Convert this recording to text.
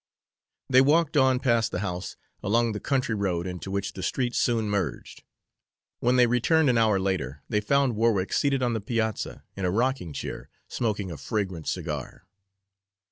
They walked on past the house, along the country road into which the street soon merged. When they returned, an hour later, they found Warwick seated on the piazza, in a rocking chair, smoking a fragrant cigar.